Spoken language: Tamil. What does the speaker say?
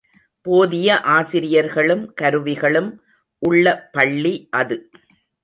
போதிய ஆசிரியர்களும் கருவிகளும் உள்ள பள்ளி அது.